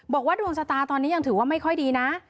บอกว่าดวงชะตาตอนนี้ยังถือว่าไม่ค่อยดีนะ